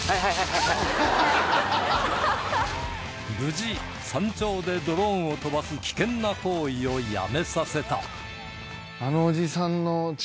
無事山頂でドローンを飛ばす危険な行為をやめさせた